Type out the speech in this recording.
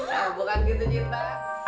nah bukan gitu cinta